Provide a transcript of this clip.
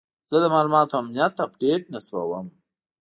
زه د معلوماتي امنیت اپډیټ نصبوم.